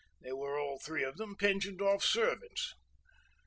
They were, all three of them, pensioned off servants.